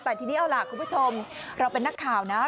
แต่ทีนี้เอาล่ะคุณผู้ชมเราเป็นนักข่าวนะ